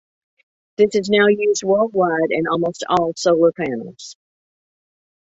This is now used worldwide in almost all solar panels.